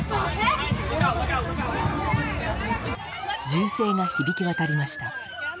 銃声が響き渡りました。